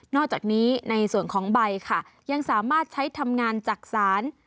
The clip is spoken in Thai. อกจากนี้ในส่วนของใบค่ะยังสามารถใช้ทำงานจักษาน